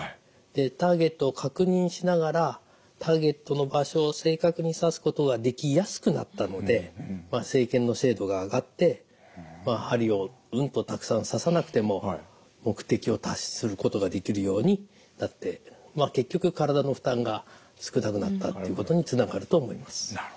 ターゲットを確認しながらターゲットの場所を正確に刺すことができやすくなったので生検の精度が上がって針をうんとたくさん刺さなくても目的を達成することができるようになって結局体の負担が少なくなったということにつながると思います。